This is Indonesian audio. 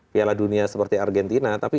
piala dunia seperti argentina tapi